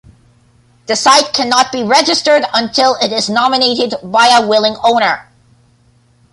The site cannot be registered until it is nominated by a willing owner.